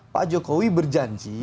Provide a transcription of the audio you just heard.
pak jokowi berjanji